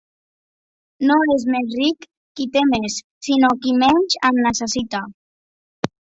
No és més ric qui té més, sinó qui menys en necessita.